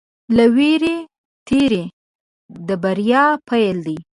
له وېرې تېری د بریا پيل دی.